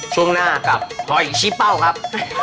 ช่วงหน้ากับพลอยชี้เป้าครับ